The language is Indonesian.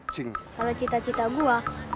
kemana itu dulu yaa